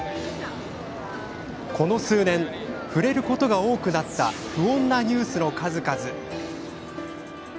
この数年、触れることが多くなった不穏なニュースの数々。